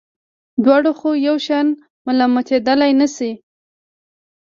دواړه خو یو شان ملامتېدلای نه شي.